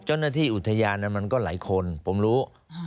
เจ้าหน้าที่อุทยานมันก็หลายคนผมรู้